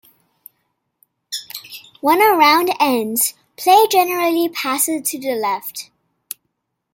When a round ends, play generally passes to the left.